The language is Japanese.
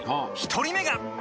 １人目が。